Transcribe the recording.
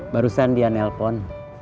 barusan dia nelpon